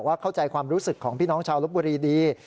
เข้าใจความรู้สึกของพี่น้องชาวลบบุรีดี